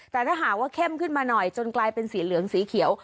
แต่ถ้าหากว่าเข้มขึ้นมาหน่อยจนกลายเป็นสีเหลืองสีเขียว